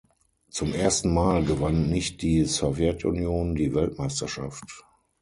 Zum ersten Mal gewann nicht die Sowjetunion die Weltmeisterschaft.